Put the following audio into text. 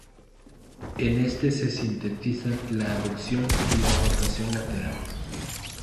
En este se sintetizan la aducción y la rotación lateral.